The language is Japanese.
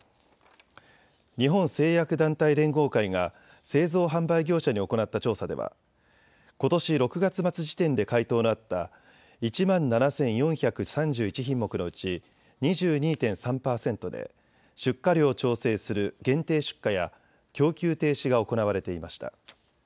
日本製薬団体連合会が製造販売業者に行った調査ではことし６月末時点で回答のあった１万７４３１品目のうち２２．３％で出荷量を調整する限定出荷や供給停止が行われていました。